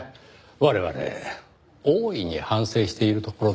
我々大いに反省しているところです。